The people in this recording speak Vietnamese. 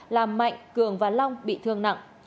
làm mạnh cường và long bị thương nặng